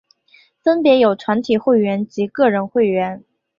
分别有团体会员及个人会员。